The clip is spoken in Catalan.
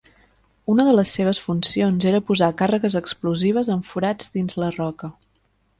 Una de les seves funcions era posar càrregues explosives en forats dins la roca.